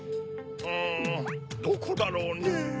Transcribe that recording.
うんどこだろうねぇ？